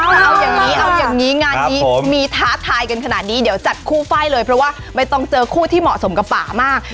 เอาอย่างนี้เอาอย่างนี้งานนี้มีท้าทายกันขนาดนี้เดี๋ยวจัดคู่ไฟล์เลยเพราะว่าไม่ต้องเจอคู่ที่เหมาะสมกับป่ามาก